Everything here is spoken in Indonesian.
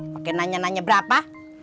pake nanya nanya berapa